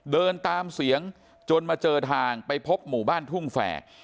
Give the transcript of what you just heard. เดินตามเสียงจนมาเจอทางไปพบหมู่บ้านทุ่งแฝก